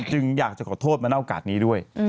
อยากจะขอโทษมาในโอกาสนี้ด้วย